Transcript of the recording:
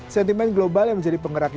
sentimen global yang menjadi penggerak